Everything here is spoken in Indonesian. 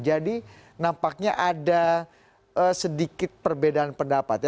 jadi nampaknya ada sedikit perbedaan pendapat